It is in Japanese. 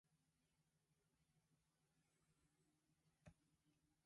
明日は公園でピクニックをする予定だ。